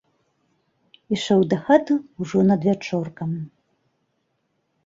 Ішоў дахаты ўжо надвячоркам.